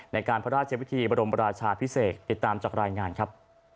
ในการพระราชวิธีบรมราชาพิเศษติดตามจากรายงานครับ